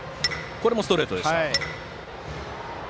次もストレートでした。